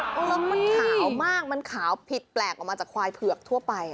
แล้วมันขาวมากมันขาวผิดแปลกออกมาจากควายเผือกทั่วไป